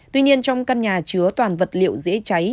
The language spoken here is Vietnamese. tuy nhiên trong căn nhà chứa toàn vật liệu dễ cháy